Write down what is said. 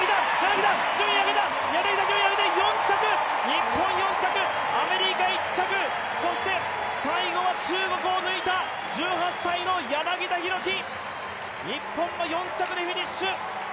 日本４着、アメリカ１着、そして最後は中国を抜いた１８歳の柳田大輝、日本は４着でフィニッシュ。